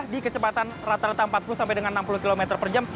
di kecepatan rata rata empat puluh sampai dengan enam puluh km per jam